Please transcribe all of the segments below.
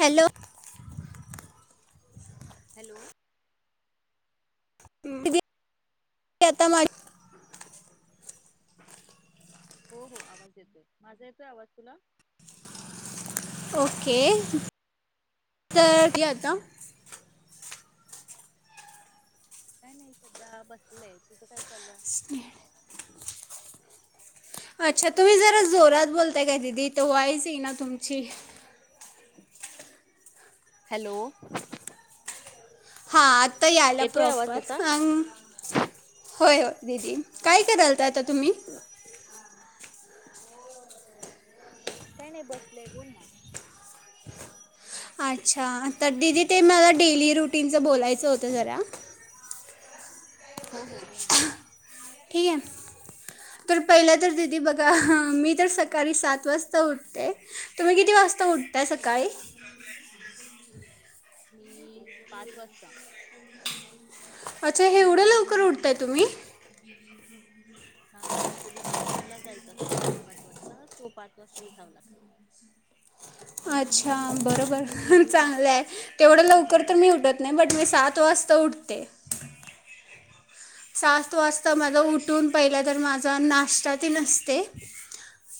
Hello. Hello. [unintelligible] आता [unintelligible] हो, हो आवाज येतोय, माझा येतोय आवाज तुला? ओके तर आता काय नाही सध्या बसलंय. तुझं काय चालू आहे? अच्छा तुम्ही जरा जोरात बोलताय का दिदी इथ वाॅईस येईना तुमची. हॅलो. हा आ यायला येतोय आवाज प्रॉपर. आता होय, होय दीदी हा काय कराल आता तुम्ही काय नाही बसलंय बोल ना. अच्छा तर दिदी ते मला डेली रुटीनचं बोलायचं होतं जरा. हो, हो बोल ना. ठीक आहे तर पहिलं तर दिदी बघा मी तर सकाळी सातग वाजता उठते. तुम्ही किती वाजता उठताय सकाळी? मी पाच वाजता. अच्छा एवढ्या लवकर उठताय तुम्ही? हा ऍक्च्युली मला जिमला जायचं असतं साडेपाच वाजता. सो पाच वाजता उठाव लागत. अच्छा बरोबर चांगलं आहे. तेवढं लवकर तर मी उठत नाही, बट मी सात वाजता उठते. सात वाजता मला उठून पहिलं तर माझा नाष्टा तेन असते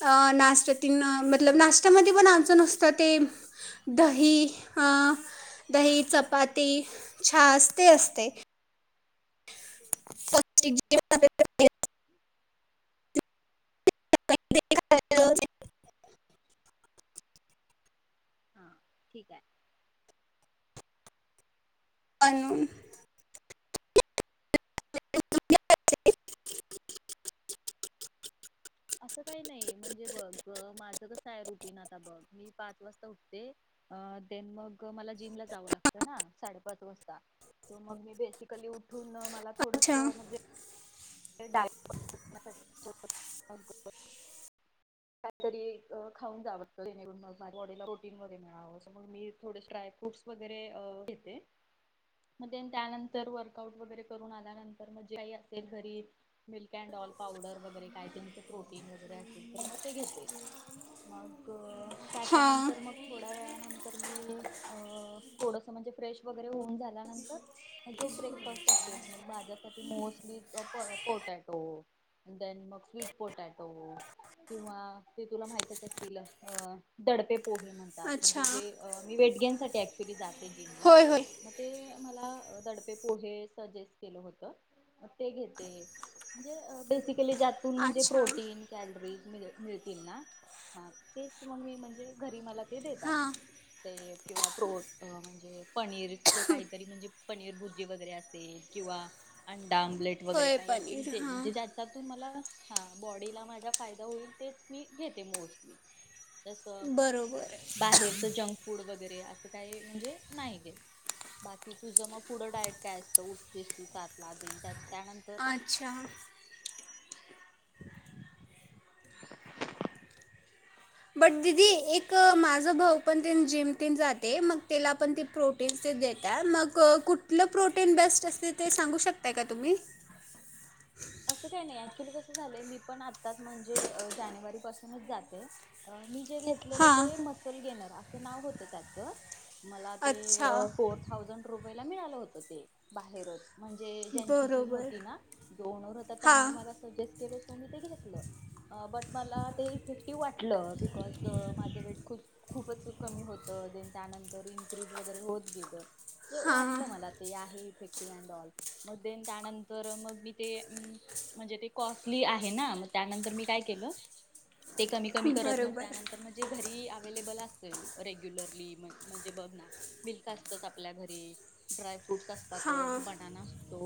अ नाष्टा तिन मतलप हा नाष्टामध्ये पण आमच नस तर ते दही, अ दही चपाती छाच ते असते. [unintelligible] हा ठीक आहे. कानू [unintelligible] असं काही नाही म्हणजे बघ माझ कस आहे रुटीन आता बघ. मी पाच वाजता उठते, देन मग मला जिमला जावं लागत ना साडेपाच वाजता. सो मग मी बेसिकली उठ ठून मला थोडंस अच्छा म्हणजे डाय [unintelligible] काहीतरी अ खाऊन जाव अस जेणेकरून माझ्या बॉडी ला प्रोटीन वगैरे मिळावं अस म्हणून मी थोडे ड्राय फ्रूटस वगैरे अ घेते. मग त्यानंतर वर्कआउट वगैरे करून आल्यानंतर म जे काही असेल घरी मि कॅनडॉल पावडर वगैरे काय त्यांचं प्रोटीन वगैरे असेल तर मग ते घेते मग हां त्याच्यानंतर मग थोड्या वेळानंतर तर मी अ थोडस म्हणजे फ्रेश वगैरे होऊन झाल्यानंतर जो ब्रेकफास्ट असतोय मग माज्यासाठी मोस्टली अ पो-पोटॅ टो देन मग स्वीट पोटॅटो किंवा ते तुला माहितच असतील अ दडपे कोबी म्हणतात अच्छा म्हणजे जे मी वेट गेन साठी कॅक्चुली जा ते जिमला होय होय म ते मला दडपे पोहे सजेस्ट केलं होत. म ते घेते. म्हणजे बेसिक केले जातून म्हणजे अच्छा प्रोटीन कॅलरीज मिल मिळतील ना हा तेच मगी म्हणजे घरी मला ते देेतात हां ते किंवा प्रो म्हणजे पनीरच काहीतरी म्हणजे पनीर भुर्जी वगैरे असेल किंवा अंडा आमलेट वगैरे होय काय अस पनीर जे हां म्हणजे ज्याच्यातून मला हा बॉडीला माझ्या फायदा होईल तेच मी घेते मोस्टली. जस बरोबर आहे. बाहेरच जंक फूड वगैरे अस बाकी कायी म्हणजे नाई गेत बाकी तुझ मग पुढं डायट काय असतं उठतेस तू सातला तेन त्यात् अच्छा बट दिदी एक माज भाऊ पण तेन जिम तेन जाते मग तेला पण ते प्रोटीन ते देत्यात मग क कुठलं प्रोटीन बेस्ट असते ते सांगू शकताय काय तुमी? असं काय नई ऍक्च्युली कस झालंय मी पण आत्ताच म्हणजे जानेवारी पासूनच जाते अ मी जे घेतलेलं हां ते मसल घेणार. असं नाव होतं त्याचं मला ते अच्छा फोर थाउजंड पयला मिळालं होत ते बाहेरच म्हणजे ज्यांची जीम बरोबर होती ना. ओनर होता हां त्यांनी मला सजेस केलं सो मी ते घेतलं अ बट मला ते इफेक्टिव्ह वाटलं बिकॉज माझ वेट खू खूपच कमी होतं. देन त्यानंतर इनक्रीज वगैरे होत गेलं. ते हां वाटलं मला ते आहे इ फेक्टिव्ह अँड ऑल मग देन त्यानंतर मग मी ते उम म्हणजे ते कॉस्टली आहे ना, मग त्यानंतर मी काय केलं ते कमी कमी करत मग बरोबर त्यानंतर म जे घरी अव्हेलेबल असेल रेग्युलरली म्ह म्हणजे बघ ना मिल्क असतंच आपल्या घरी, ड्रायफ्रुटस् असतातच, हां बनाना असतो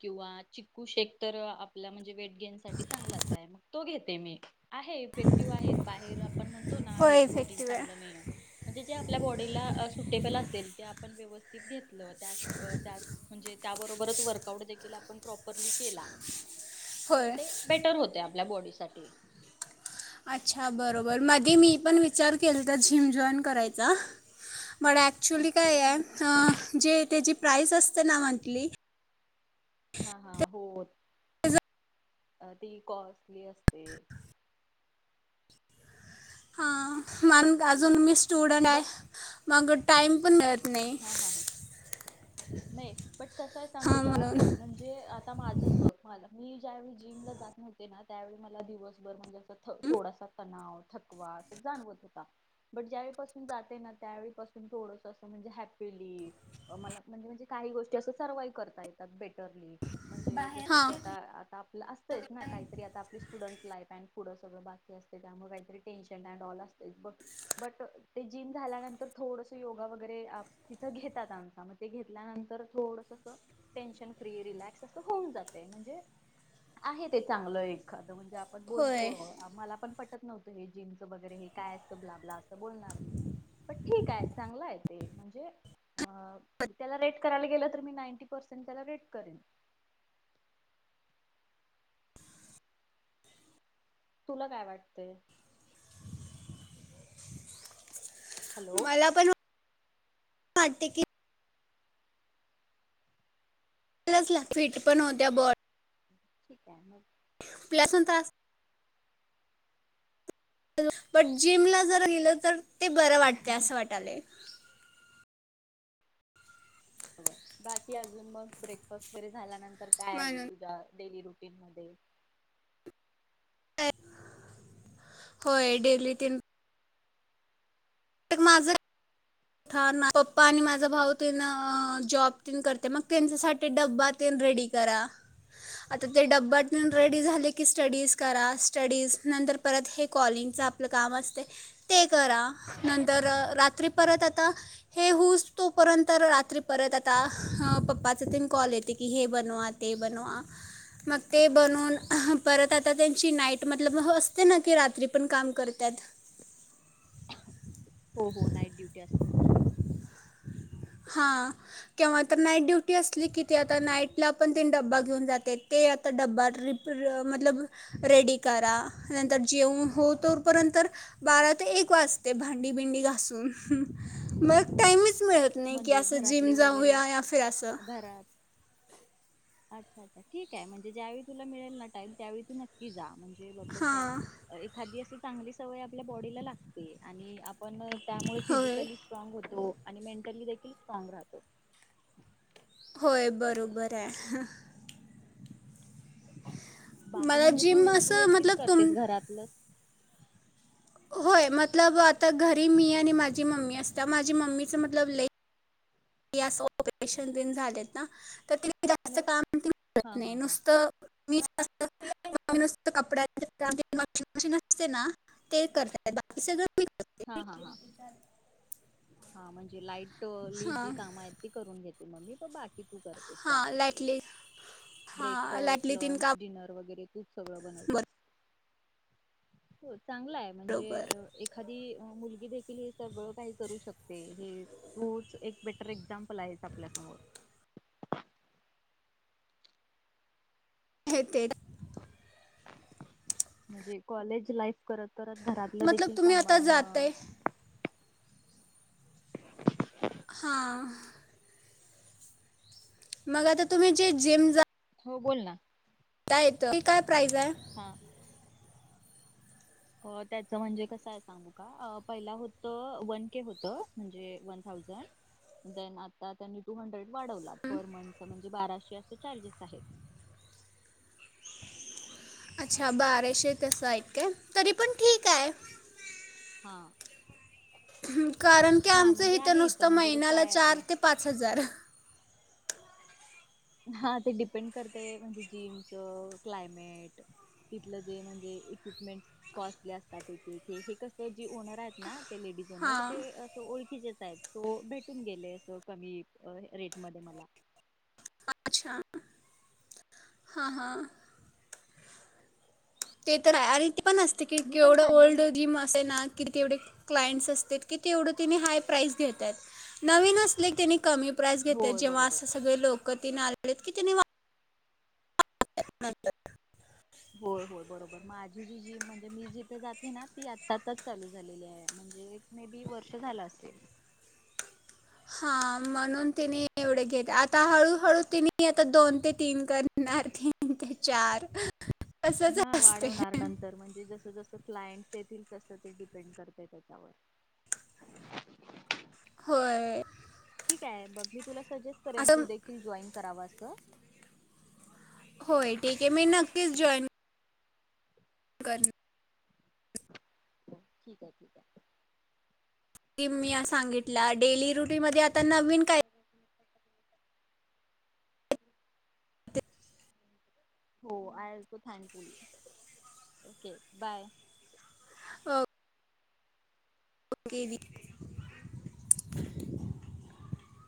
किंवा चिक कुश एक तर आपल्या म्हणजे वेट गेन साठी चांगलाच हाय मग तो घेते मी आहे इफेक्टिव्ह आहेत बाहेर आ आपण म्हणतो ना हे होय प्रोटीन इफेक्टिव्ह आहे चांगलं नई ये म्हणजे जे आपल्या बॉडीला अस सूटेबल असेल ते आपण व्यवस्थित घेतलं त्याच अ त्याच म्हणजे त्याबरोबरच वर्कआउट देखील आपण प्रॉ परली केला. तर होय ते बेटर होतय आ पल्या बॉडीसाठी अच्छा, बरोबर. मदी मी पण विचार केलता जिम जॉईन करायचा. बट ॲक्च्युली ओके काय आय मग ह जे तेजी प्राईस असते ना मंथली हा हा हो अ ती कॉस्टली असते हा मग अजून मी शी स्टूडंड आय बट मग टाइम पण मिळ हा हा हा नई बट कसय सांगू हां का म्हणून अ म्हणजे आता माझच बघ मला मी ज्यावेळी जिमला जात नव्हते ना त्यावेळी मला दिवसभर म्हणजे अस थ हं? थोडासा तणाव, थकवा अस जाणवत होता बट ज्यावेळीपासून जाते ना त्यावेळीपासून थोडस अस म्हणजे हॅप पिली अ मला म्हण म्हणजे काही गोष्टी असं सरव्हावं करता येतात बेटरली. म्हणजे जसं हां की आता आता आपलं असतयचं ना काहीतरी आता आपली स्टुडंट लाईफ अँन पुढं सगळ बाकी असते त्यामुळे काहीतरी टेन्शन अँड ऑल असतयच ब बट ते जिम झाल्यानंतर थोडस योगा वगैरे आ तिथं घेतात आमचा मग ते घेतल्यानंतर थोडस अस टेन्शन फ्री रिलॅक्स असं होऊन जातय म्हणजे आहे ते चांगलं एखा म्हणजे आपण बोलतो होय अ मला पण पट टत नव्हत हे जीमच वगैरे हे काय असतं ब्लाब्ला असं बोलणार मी पण ठीक आहे चांगलं आहे ते म्हणजे अ त्याला रेट करायला गेलं तर मी नाईंटी पर्सेंट त्याला रेट करेन. तुला काय वाटतंय? हॅलो मला पण वा टतय की ला फिट पण होत्या बॉड ठीक आहे मग ल्यासतास बट जिमला जर गेलं तर ते बरं वाटते असं वाटालय र बाकी अजून मग ब्रेकफास्ट वगैरे झाल्या ना? तर काय आहे म्हणून तुझ्या डेली रुटीनमध्ये अ होय डेली तीन. एक माझर हाना पप्पा आणि माझा भाऊ तेन जॉब तेन करते मग त्यांच्यासाठी डब्बा तेन रेडी करा. आता ते डब्ब्या तेन रेडी झाले की स्टडीज करा स्टडीज नंतर परत हे कॉलिंगचं आपलं काम असतय ते करा नंतर रात्री परत आता हे होऊस तोपर्यंत रात्री परत आता पप्पाचा त्यां कॉल येते की हे बनवा ते बनवा मग ते बनून परत आता त्यांची नाईट मतलब असते ना की रात्री पण काम करत्यात ते असतय हा केव्हा तर नाईट ड्युटी असली कि ते आता नाईटला पण तेन डब्बा घेऊन जातेत ते आता डब्बा रिप मतलब रेडी करा नंतर जेवन हो तोपर्यंत बारा ते एक वाजते भांडी बिंडी घासून मग टाईमच मिळत नाही की म्हणजे असं जिम घरातले वगैरे जाऊया या फिर असं घरात अच्छा अच्छा ठीक आहे. म्हणजे ज्यावेळी तुला मिळेल ना टाईम त्यावेळी तू नक्की जा. म्हणजे बघ कसाय हां एखादी अस चांगली सवय आपल्या बॉडीला लागते आणि आ पण त्यामुळे होय फिजिकली स्ट्रॉंग होतो. आणि मे ली देखील सस्ट्रॉंग राहतो. होय बरोबर हाय हं बाकी मला म्हणजे जिम तू-तू असं एकटीच मतलब करतेस तुम घरातलं? होय मतलब आता घरी मी आणि माझी मम्मी असत्या माझी मम्मीच मतलब लई आस ऑपरेशन तेन झालेत ना तर ति जास्त काम तेन करत हा नाही हा हा नुसतं मीच मम्मी नुस्त कपड्या वॉशिंग मशीन असते ना ते करतात. बाकी सगळं मी करते हा-हा-हा-हा म्हणजे लाइटली जी हां कामं आहेत ती करून घेते मम्मी पण बाकी तू करतेस हां बाकी सगळं. लाईटली हां ब्रेकफस्ट, लाईटली तीन लंच, काम डिनर वगैरे तूच सगळं बनवतेस? हो चांगलाय म्हणजे बरोबर अ एक मुलगी देखील हे सगळं काही करू शकते. हे तूच एक बेटर एक्झामपल आहेस आपल्या समोर. हे ते म्हणजे कॉलेज लाईफ करत करत घरातलं मतलब देखील तुम्ही आता सांभाळणं जाताय [inaudible] हा मग आता तुम्ही जे जिम हो बोल ना [unintelligible] प्राईज हाय? त्याच म्हणजे कसंय सांगू का? आ पहिला होत वन के होत म्हणजे वन थाऊजंड देन आता त्यांनी टू हंड्रेड वाढवला पर मंथचं बाराशे अस चार्जेस आहेत. अच्छा बाराशे तसं आहेत काय? तरी पण ठीक हाय. हा. कारण की हा आमचं म्हणजे हित आहे इथं नुसतं म्हणजे कसं महिन्याला आहे अ, चार ते पाच हजार हा ते डिपेंड करतय म्हणजे जिमचं क्लायमेट, तिथलं जे म्हणजे इक्युपमेंटस कॉस्टली असतात एक-एक. हे कसं जी ओनर आहेत ना? ते लेडीज ओनर हां ते असं ओळख [inaudible] तो भेटून गेले अस कमी रेट मध्ये मला अच्छा हा हा ते तर आहे आरे ती पण असते की मी पण केवढं ओल्ड सांगेन जिम असे ना कि तेवढे क्लाइंटस् असतेत की तेवढ तेनी हाय प्राईज घेतात नवीन असले तेनी कमी प्राईज घेतात होय जेव्हा बरोबर असे सगळे लोक [unintelligible] [inaudible] नंतर होय होय बरोबर माझी जी जिम म्हणजे मी जिथे जाते ना ती आता आताच चालू झालेली आहे म्हणजे मे बी वर्ष झालं असेल हा म्हणून तिने एवढे घेत आता हळूहळू तिने आता दोन ते तीन करणार तीन ते चार असंच हा असते वाढवणार नंतर म्हणजे जस जस क्लायंट्स येतील तस ते डिपेंड करत त्याच्यावर होय ठीक ये [unintelligible] तुला सजेस्ट करेन असं तू देखील जॉईन करावास [inaudible] होय ठीक आहे मी नक्कीच जॉईन करेन ठीक आहे मी सांगितला डेली रुटीन मध्ये आता नवीन काय? हो आयल्को थँकफुल ओके बाय अ [unintelligible] [inaudible]